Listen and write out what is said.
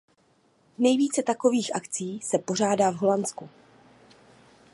Nejvíce takových akcí se pořádá v Holandsku.